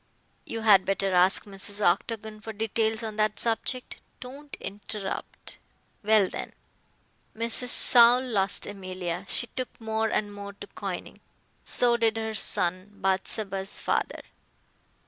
You had better ask Mrs. Octagon for details on that subject. Don't interrupt. Well, when Mrs. Saul lost Emilia, she took more and more to coining. So did her son, Bathsheba's father.